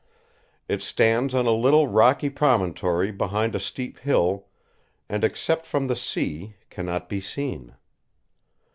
It stands on a little rocky promontory behind a steep hill, and except from the sea cannot be seen.